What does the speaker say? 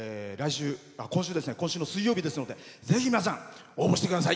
今週の水曜日ですのでぜひ皆さん応募してください。